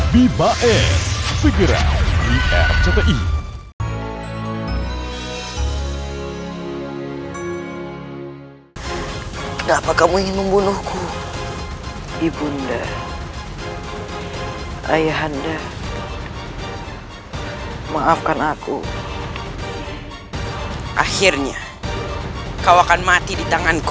bibae segera di rti